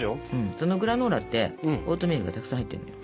そのグラノーラってオートミールがたくさん入ってんのよ。